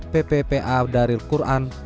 pppa daril quran